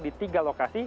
di tiga lokasi